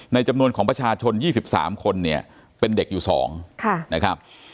จำนวนของประชาชน๒๓คนเนี่ยเป็นเด็กอยู่๒นะครับ